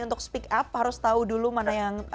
untuk speak up harus tahu dulu mana yang